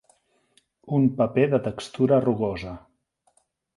Un paper de textura rugosa.